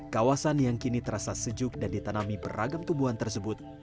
kawasan yang kini terasa sejuk dan ditanami beragam tumbuhan tersebut